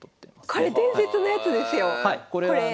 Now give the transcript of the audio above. これ伝説のやつですよこれ。